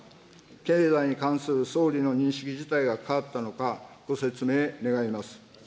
経済に関する総理の認識自体が変わったのか、ご説明願います。